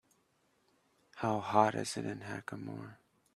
How hot is it in Hackamore